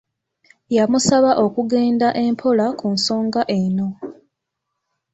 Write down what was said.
Yamusaba okugenda empola ku nsonga eno.